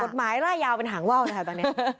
กฎหมายร่ายยาวเป็นหางว่าวเลยค่ะตอนนี้